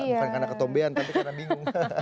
bukan karena ketombean tapi karena bingung